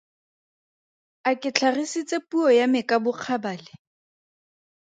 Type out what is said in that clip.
A ke tlhagisitse puo ya me ka bokgabale?